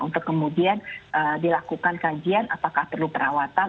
untuk kemudian dilakukan kajian apakah perlu perawatan